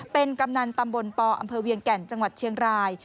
เป็นกำนันตำบลปอำเภอเวียงแก่นจังหวัดเชียงราย